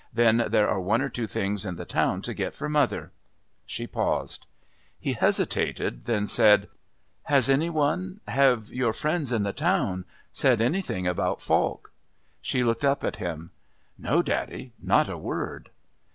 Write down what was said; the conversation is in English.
Then there are one or two things in the town to get for mother." She paused. He hesitated, then said: "Has any one have your friends in the town said anything about Falk?" She looked up at him. "No, daddy not a word."